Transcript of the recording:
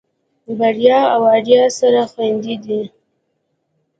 بريا او آريا سره خويندې دي.